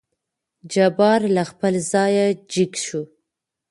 جبار له خپل ځايه جګ شو.